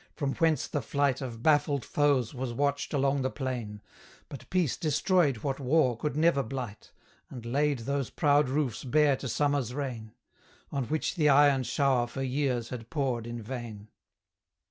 from whence the flight Of baffled foes was watched along the plain; But Peace destroyed what War could never blight, And laid those proud roofs bare to Summer's rain On which the iron shower for years had poured in vain.